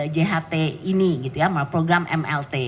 jht ini gitu ya program mlt